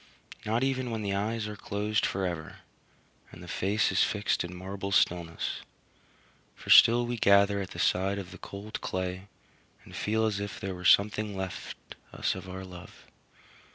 Not even when the eyes are closed forever, and the face is fixed in marble stillness; for still we gather at the side of the cold clay and feel as if there were something left us of our love.